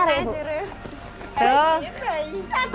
bagaimana ibu senang enggak